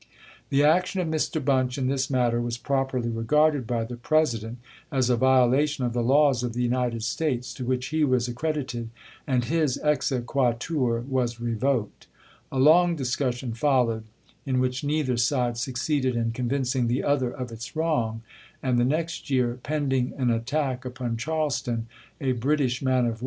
The action of Mr. Bunch in this matter was properly regarded by the President as a violation of the laws of the United States to which he was accredited, and his exequatur was revoked. A long discussion followed, in which neither side succeeded in convincing the other of its wrong; and the next year, pending an attack upon Charles ton, a British man of war entered that port and took Mr. Bunch away.